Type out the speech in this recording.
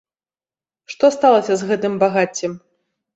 Што сталася з гэтым багаццем?